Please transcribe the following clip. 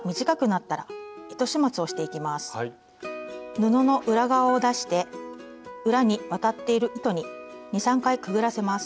布の裏側を出して裏に渡っている糸に２３回くぐらせます。